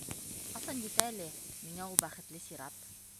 Ҡасан етә әле миңә ул бәхетле сират?